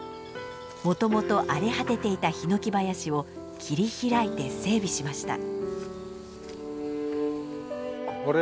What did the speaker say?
もともと荒れ果てていたヒノキ林を切り開いて整備しました。